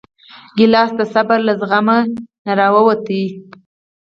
ګیلاس د صبر له زغم نه راوتی دی.